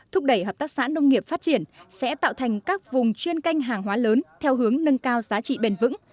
thúc đẩy hợp tác xã nông nghiệp phát triển sẽ tạo thành các vùng chuyên canh hàng hóa lớn theo hướng nâng cao giá trị bền vững